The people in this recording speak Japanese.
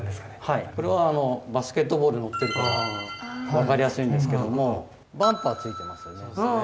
これはバスケットボール載ってるから分かりやすいんですけどもバンパーついてますよね。